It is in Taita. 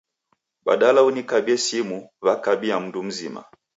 Badala unikabie simu w'akabia mundu mzima